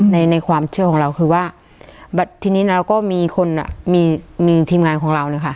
ในในความเชื่อของเราคือว่าทีนี้เราก็มีคนอ่ะมีมีทีมงานของเราเนี่ยค่ะ